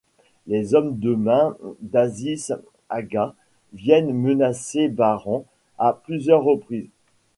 Les hommes de main d'Aziz Aga viennent menacer Baran à plusieurs reprises.